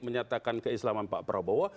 menyatakan keislaman pak prabowo